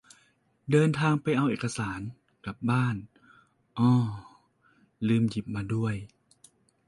เดินทางไปเอาเอกสาร กลับบ้าน อ่อ ลืมหยิบมาด้วย